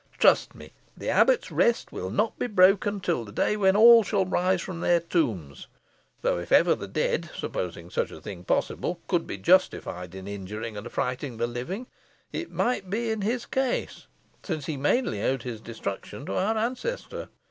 "Trust me, the abbot's rest will not be broken till the day when all shall rise from their tombs; though if ever the dead (supposing such a thing possible) could be justified in injuring and affrighting the living, it might be in his case, since he mainly owed his destruction to our ancestor.